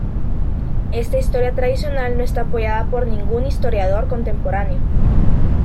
Esta historia tradicional no está apoyada por ningún historiador contemporáneo.